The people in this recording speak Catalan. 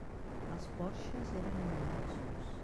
Els porxes eren immensos.